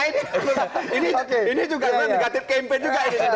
ini juga negatif campaign juga